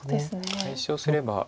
解消すれば。